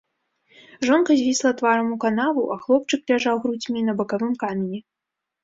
Жонка звісла тварам у канаву, а хлопчык ляжаў грудзьмі на бакавым камені.